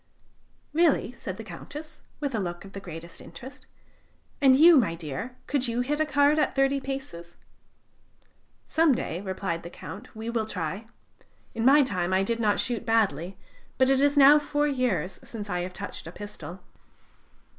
"Really?" said the Countess, with a look of the greatest interest. "And you, my dear, could you hit a card at thirty paces?" "Some day," replied the Count, "we will try. In my time I did not shoot badly, but it is now four years since I touched a pistol."